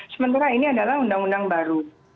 sementara ini adalah undang undang baru